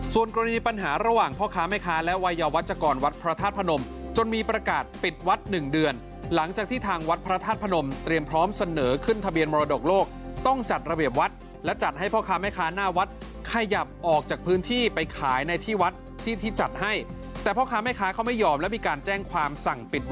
ส่วนกรณีปัญหาระหว่างพ่อค้าแม่ค้าและวัยวัชกรวัดพระธาตุพนมจนมีประกาศปิดวัดหนึ่งเดือนหลังจากที่ทางวัดพระธาตุพนมเตรียมพร้อมเสนอขึ้นทะเบียนมรดกโลกต้องจัดระเบียบวัดและจัดให้พ่อค้าแม่ค้าหน้าวัดขยับออกจากพื้นที่ไปขายในที่วัดที่ที่จัดให้แต่พ่อค้าแม่ค้าเขาไม่ยอมและมีการแจ้งความสั่งปิด